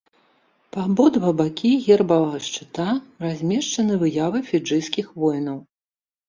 Па абодва бакі гербавага шчыта размешчаны выявы фіджыйскіх воінаў.